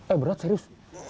eh berat serius